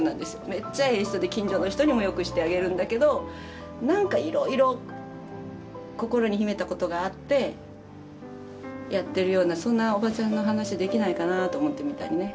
めっちゃええ人で近所の人にも良くしてあげるんだけど何かいろいろ心に秘めたことがあってやっているようなそんなおばちゃんの話できないかなと思ってみたりね。